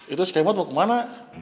itu skemot mau kemana